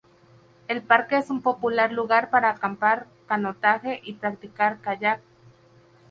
El parque es un popular lugar para acampar, canotaje y practicar kayak.